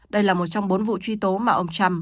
đây là một trong bốn vụ truy tố mà ông trump